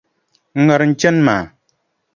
N ŋariŋ n chani maa!”.